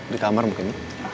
di kamar mungkin ya